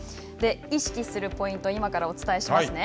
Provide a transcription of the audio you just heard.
意識するポイント、今からお伝えしますね。